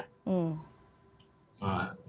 itu itu yang salah satu